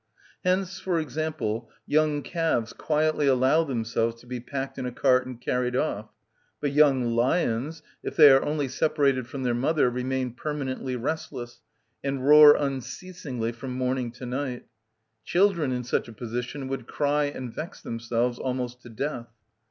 Hence, for example, young calves quietly allow themselves to be packed in a cart and carried off; but young lions, if they are only separated from their mother, remain permanently restless, and roar unceasingly from morning to night; children in such a position would cry and vex themselves almost to death.